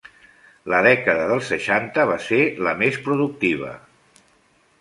La dècada del seixanta va ser la més productiva.